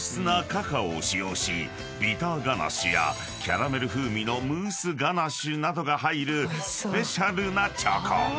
［ビターガナッシュやキャラメル風味のムースガナッシュなどが入るスペシャルなチョコ］